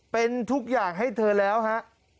เป็นทุกอย่างให้เธอแล้วฮะ